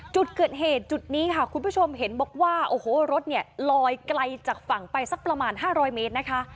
จุดเกิดเหตุจุดนี้ค่ะคุณผู้ชมเห็นบอกว่าโอ้โหรถเนี่ยลอยไกลจากฝั่งไปสักประมาณ๕๐๐เมตรนะคะ